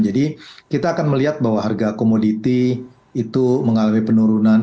jadi kita akan melihat bahwa harga komoditi itu mengalami penurunan